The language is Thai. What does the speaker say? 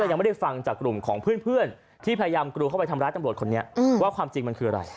ยังไม่ได้ฟังจากกลุ่มของเพื่อนที่พยายามกรูเข้าไปทำร้ายตำรวจคนนี้ว่าความจริงมันคืออะไร